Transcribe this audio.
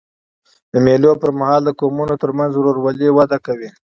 د مېلو پر مهال د قومونو ترمنځ ورورولي وده کوي.